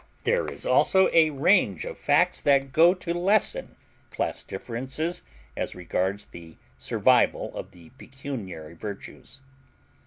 There is also a further range of facts that go to lessen class differences as regards the survival of the pecuniary virtues.